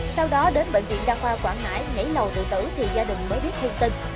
sau đó đến bệnh viện đa khoa quảng ngãi nhảy lầu tự tử thì gia đình mới biết thương tình